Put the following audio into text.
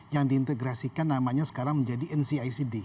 yang diintegrasikan namanya sekarang menjadi ncicd